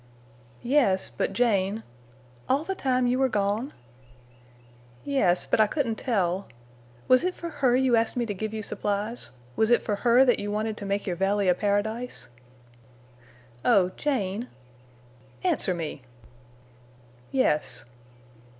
"Yes, but Jane—" "All the time you were gone?" "Yes, but I couldn't tell—" "Was it for her you asked me to give you supplies? Was it for her that you wanted to make your valley a paradise?" "Oh—Jane—" "Answer me." "Yes."